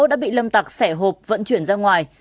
đã bị lâm tặc xẻ hộp vận chuyển ra ngoài